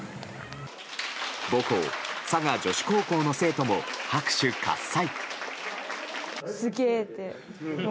母校・佐賀女子高校の生徒も拍手喝采。